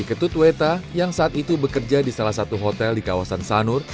ketut weta yang saat itu bekerja di salah satu hotel di kawasan sanur